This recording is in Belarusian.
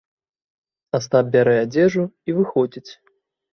Астап бярэ адзежу і выходзіць.